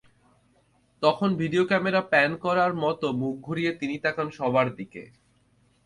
তখন video camera pan করার মতো মুখ ঘুরিয়ে তিনি তাকান সবার দিকে।